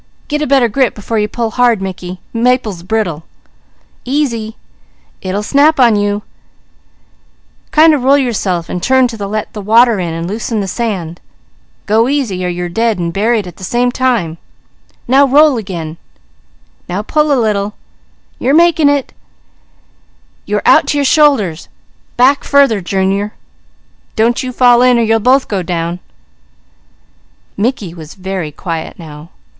Get a better grip before you pull hard, Mickey! Maple is brittle! Easy! It will snap with you! Kind of roll yourself and turn to let the water in and loosen the sand. Now roll again! Now pull a little! You're making it! You are out to your shoulders! Back farther, Junior! Don't you fall in, or you'll both go down!" Mickey was very quiet now.